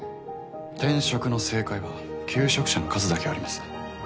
転職の正解は求職者の数だけあります。